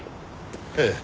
ええ。